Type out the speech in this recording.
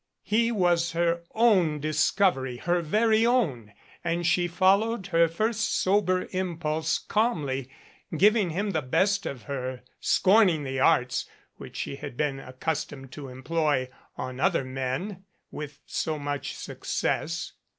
He was her own discovery, her very own, and she followed her first sober impulse, calmly, giving him the best of her, scorning the arts which she had been accustomed to employ on other men with so much success.